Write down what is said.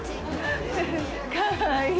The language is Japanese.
かわいい。